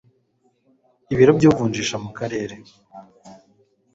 ibiro byivunjisha mu karere